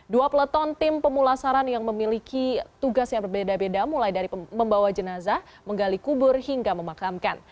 dua peleton tim pemulasaran yang memiliki tugas yang berbeda beda mulai dari membawa jenazah menggali kubur hingga memakamkan